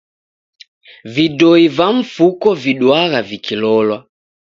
Vidoi va mfuko viduagha vikilolwa.